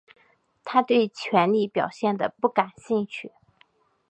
他对权力表现得不感兴趣。